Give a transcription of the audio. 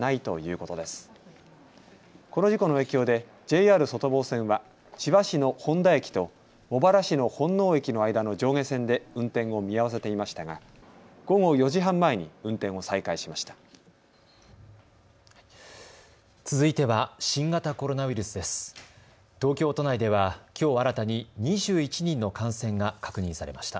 この事故の影響でＪＲ外房線は千葉市の誉田駅と茂原市の本納駅の間の上下線で運転を見合わせていましたが午後４時半前に運転を再開しました。